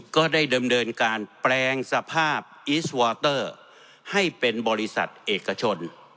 ก็ได้เดิมเดินการแปลงสภาพให้เป็นบริษัทเอกชน